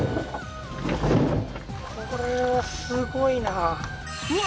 これはすごいなうわ